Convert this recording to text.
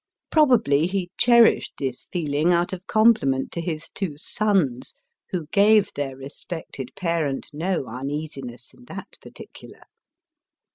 Probably, he cherished this feeling out of compliment to his two sons, who gave their respected parent no The Conquering Hero. 269 uneasiness in that particular.